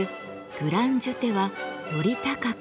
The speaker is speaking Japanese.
グラン・ジュテはより高く。